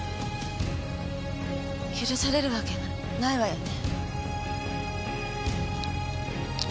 許される訳ないわよね。